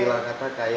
istilah kata kaya